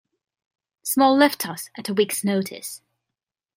Small left us at a week's notice.